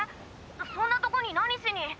そんなとこに何しに？